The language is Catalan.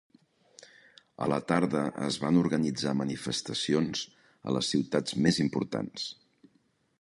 A la tarda es van organitzar manifestacions a les ciutats més importants.